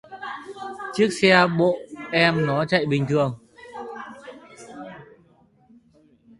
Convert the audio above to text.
Chiếc xe của bộ em nó chạy bình thường